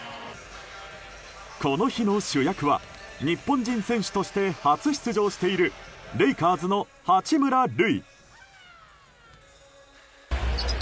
この日の主役は日本人選手として初出場しているレイカーズの八村塁。